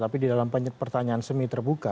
tapi di dalam pertanyaan semi terbuka